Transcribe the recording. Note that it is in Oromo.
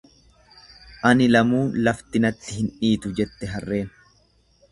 Ani lamuu lafti natti hin dhiitu jette harreen.